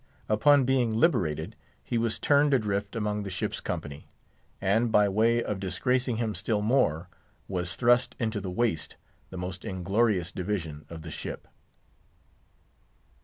Upon being liberated, he was turned adrift among the ship's company; and by way of disgracing him still more, was thrust into the waist, the most inglorious division of the ship.